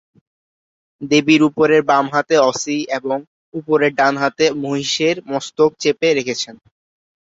দেবীর উপরের বামহাতে অসি এবং উপরের ডানহাতে মহিষের মস্তক চেপে রেখেছেন।